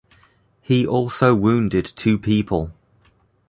He also wounded two people.